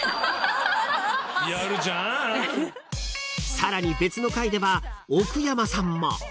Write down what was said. ［さらに別の回では奥山さんも］